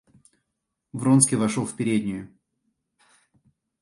Вронский вошел в переднюю.